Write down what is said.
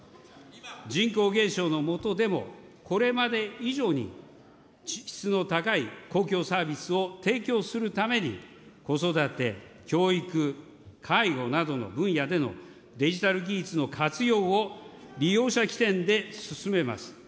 人口減少の下でも、これまで以上に質の高い公共サービスを提供するために、子育て、教育、介護などの分野でのデジタル技術の活用を利用者起点で進めます。